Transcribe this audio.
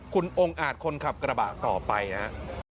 คุณองค์อาจคนขับกระบะต่อไปนะครับ